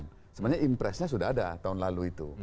sebenarnya impresnya sudah ada tahun lalu itu